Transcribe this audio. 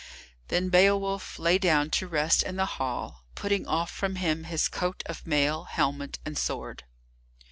Then Beowulf lay down to rest in the hall, putting off from him his coat of mail, helmet, and sword.